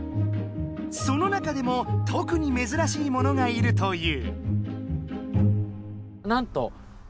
その中でもとくにめずらしいものがいるという。